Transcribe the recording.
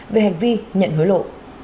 về hành vi nhận hối lộ